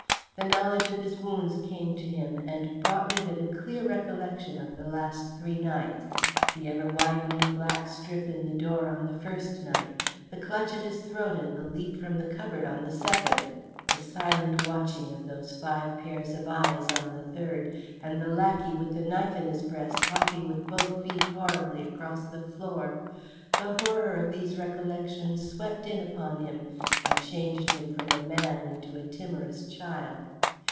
The knowledge of his wounds came to him and brought with it a clear recollection of the last three nights. The ever widening black strip in the door on the first night, the clutch at his throat and the leap from the cupboard on the second, the silent watching of those five pairs of eyes on the third, and the lackey with the knife in his breast hopping with both feet horribly across the floor, the horror of these recollections swept in upon him and changed him from a man into a timorous child.